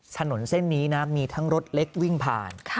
ถนนเส้นนี้นะมีทั้งรถเล็กวิ่งผ่าน